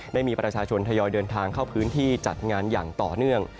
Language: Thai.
ได้มีประชาชนทยอยเดินทางเข้าพื้นที่จัดงานอย่างต่อเนื่อง